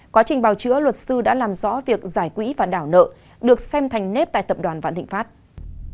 quá trình bào chữa luật sư đã làm rõ việc giải quỹ và đảo nợ được xem thành nếp tại tập đoàn vạn thịnh pháp